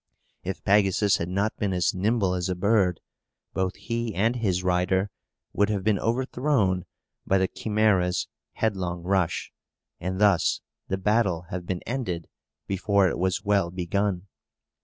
If Pegasus had not been as nimble as a bird, both he and his rider would have been overthrown by the Chimæra's headlong rush, and thus the battle have been ended before it was well begun.